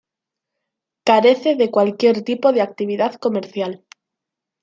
Carece de cualquier tipo de actividad comercial.